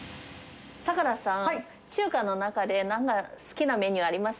坂田さん、中華の中で、なんか好きなメニューあります？